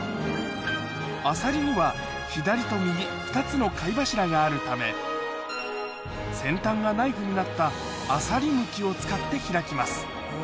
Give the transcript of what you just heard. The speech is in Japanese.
あさりには左と右２つの貝柱があるため先端がナイフになったあさりむきを使って開きます